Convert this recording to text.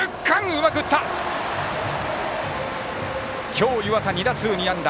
今日、湯淺２打数２安打。